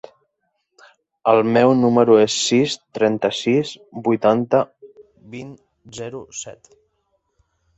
El meu número es el sis, trenta-sis, vuitanta, vint, zero, set.